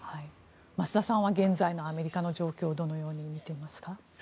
増田さんは現在のアメリカの状況をどのように見ていますか？